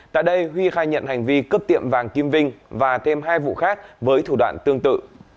tại đây huy khai nhận hành vi cướp tiệm vàng kim vinh và thêm hai vụ khác với thủ đoạn tương tự